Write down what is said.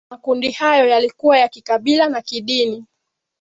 makundi hayo yalikuwa ya kikabila na kidini